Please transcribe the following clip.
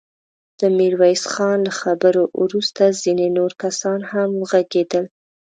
د ميرويس خان له خبرو وروسته ځينې نور کسان هم وغږېدل.